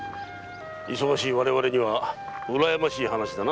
忙しい我々にはうらやましい話だな。